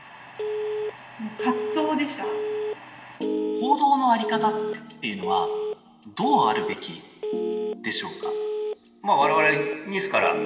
報道の在り方っていうのはどうあるべきでしょうか。